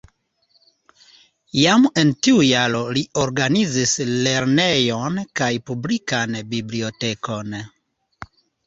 Jam en tiu jaro li organizis lernejon kaj publikan bibliotekon.